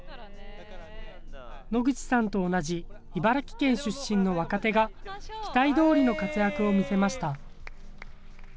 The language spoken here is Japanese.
野口さんと同じ茨城県出身の若手が期待どおりの活躍を見せました。